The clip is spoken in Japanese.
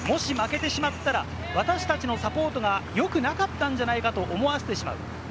名城大学をサポートしてくれる方、もし負けてしまったら、私達のサポートがよくなかったんじゃないかと思わせてしまう。